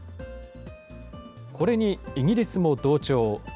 これにイギリスも同調。